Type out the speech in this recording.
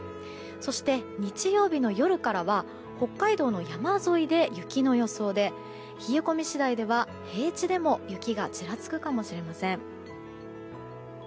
そして、日曜日の夜からは北海道の山沿いで雪の予想で冷え込み次第では平地でも雪がちらつくかもしれません。